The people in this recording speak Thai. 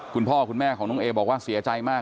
คุณพ่อคุณแม่ของน้องเอบอกว่า